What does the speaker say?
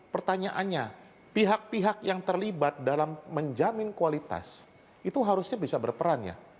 pertanyaannya pihak pihak yang terlibat dalam menjamin kualitas itu harusnya bisa berperan ya